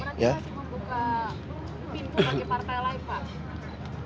pak heru berarti masih membuka pintu pakai partai lain pak